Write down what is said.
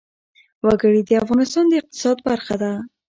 وګړي د افغانستان د اقتصاد برخه ده.